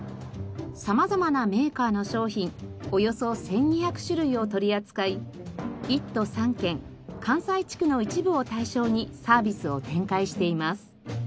さまざまなメーカーの商品およそ１２００種類を取り扱い一都三県関西地区の一部を対象にサービスを展開しています。